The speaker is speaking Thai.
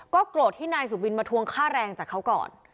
โกรธที่นายสุบินมาทวงค่าแรงจากเขาก่อน